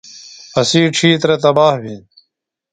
اسی ڇِھیترہ تباہ بِھین۔